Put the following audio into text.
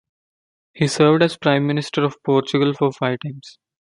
He served as Prime Minister of Portugal for five times.